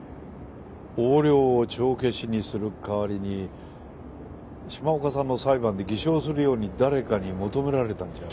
横領を帳消しにする代わりに島岡さんの裁判で偽証するように誰かに求められたんじゃ。